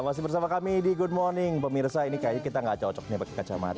masih bersama kami di good morning pemirsa ini kayaknya kita gak cocok nih pakai kacamata